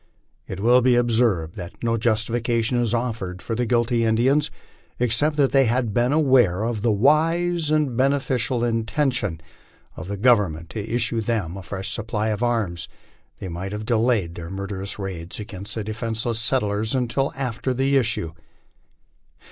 It will be observed that no justification is offered for the guilty Indians except that had they been aware of the wise and beneficent intention of the Government to issue them a fresh supply of arms, they might have delayed their murderous raid against the defenceless settlers until after the issue.